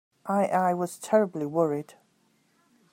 I—I was terribly worried.